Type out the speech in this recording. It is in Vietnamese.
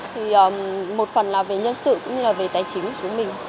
thì một phần là về nhân sự cũng như là về tài chính của chúng mình